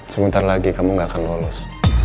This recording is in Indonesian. sebentar lagi kamu gak akan lolos